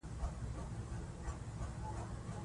شاعري د ژبې له لارې د انساني تجربو، درد او خوښۍ بیان تضمینوي.